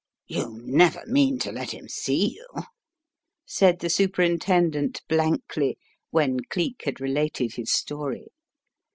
"You never mean to let him see you!" said the Superintendent blankly when Cleek had related his story.